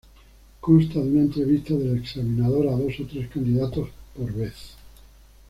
Consta de una entrevista del examinador a dos o tres candidatos por vez.